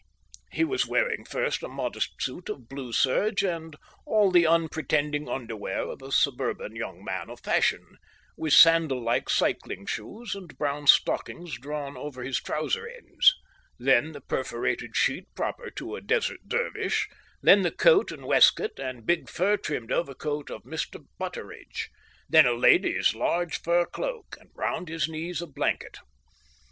He was wearing first a modest suit of blue serge and all the unpretending underwear of a suburban young man of fashion, with sandal like cycling shoes and brown stockings drawn over his trouser ends; then the perforated sheet proper to a Desert Dervish; then the coat and waistcoat and big fur trimmed overcoat of Mr. Butteridge; then a lady's large fur cloak, and round his knees a blanket.